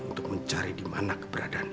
untuk mencari dimana keberadaan